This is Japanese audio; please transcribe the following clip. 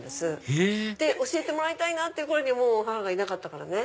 へぇ教えてもらいたいなっていう頃にもう母がいなかったからね。